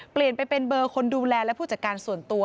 เปลี่ยนไปเป็นเบอร์คนดูแลและผู้จัดการส่วนตัว